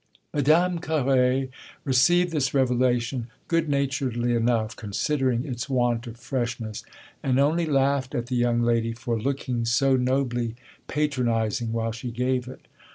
Madame Carré received this revelation good naturedly enough, considering its want of freshness, and only laughed at the young lady for looking so nobly patronising while she gave it.